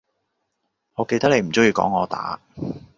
我記得你唔鍾意你講我打